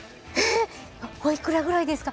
おいくらぐらいですか？